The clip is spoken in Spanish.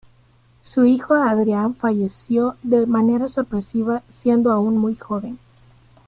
Su hijo Adrián falleció de manera sorpresiva siendo aún muy joven.